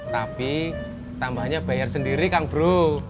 tapi tambahnya bayar sendiri kang bro